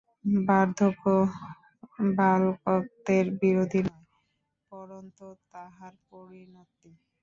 বার্ধক্য বালকত্বের বিরোধী নয়, পরন্তু তাহার পরিণতি।